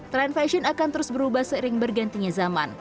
tren fashion akan terus berubah seiring bergantinya zaman